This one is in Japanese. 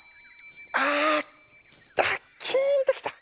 あっキーンときた！